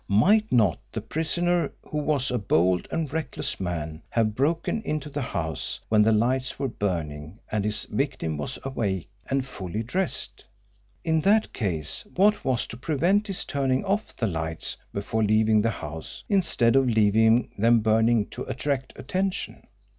Might not the prisoner, who was a bold and reckless man, have broken into the house when the lights were burning and his victim was awake and fully dressed? In that case what was to prevent his turning off the lights before leaving the house instead of leaving them burning to attract attention?